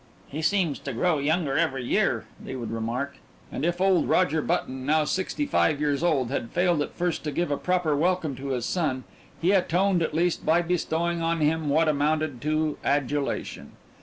"He seems to grow younger every year," they would remark. And if old Roger Button, now sixty five years old, had failed at first to give a proper welcome to his son he atoned at last by bestowing on him what amounted to adulation.